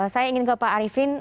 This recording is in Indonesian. saya ingin ke pak arifin